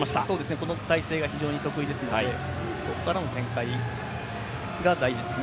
この体勢が非常に得意ですので、ここからの展開が大事ですね。